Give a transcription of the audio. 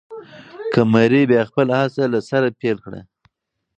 قمري بیا خپله هڅه له سره پیل کړه.